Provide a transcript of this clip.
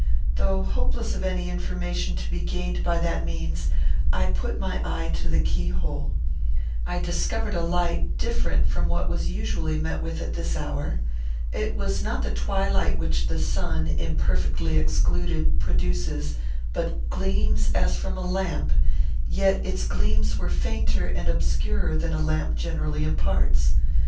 Though hopeless of any information to be gained by that means, I put my eye to the keyhole. I discovered a light different from what was usually met with at this hour. It was not the twilight which the sun, imperfectly excluded, produces, but gleams, as from a lamp; yet its gleams were fainter and obscurer than a lamp generally imparts.